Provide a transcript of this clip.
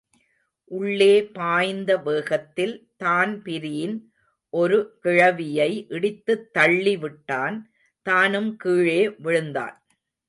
உள்ளே பாய்ந்த வேகத்தில் தான்பிரீன் ஒரு கிழவியை இடித்துத் தள்ளிவிட்டான் தானும் கீழே விழுந்தான்.